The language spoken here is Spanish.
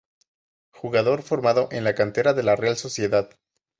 Jugador formado en la cantera de la Real Sociedad.